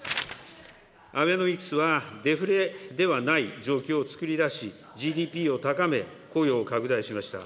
アベノミクスは、デフレではない状況をつくり出し、ＧＤＰを高め雇用を拡大しました。